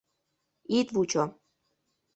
— Ит вучо!